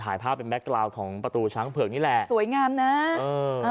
ถ่ายภาพเป็นแก๊กกราวของประตูช้างเผือกนี่แหละสวยงามนะเออ